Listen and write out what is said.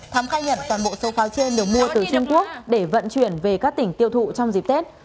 thắm khai nhận toàn bộ số pháo trên được mua từ trung quốc để vận chuyển về các tỉnh tiêu thụ trong dịp tết